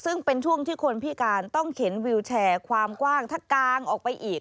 ซึ่งเป็นช่วงที่คนพิการต้องเข็นวิวแชร์ความกว้างถ้ากางออกไปอีก